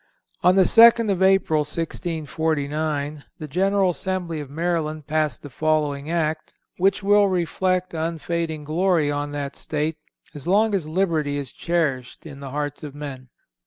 (304) On the 2d of April, 1649, the General Assembly of Maryland passed the following Act, which will reflect unfading glory on that State as long as liberty is cherished in the hearts of men.